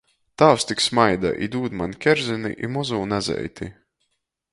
Tāvs tik smaida i dūd maņ kerzini i mozū nazeiti.